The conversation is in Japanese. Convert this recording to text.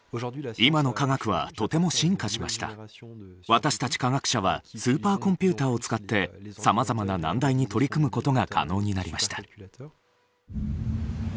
私たち科学者はスーパーコンピューターを使ってさまざまな難題に取り組むことが可能になりました。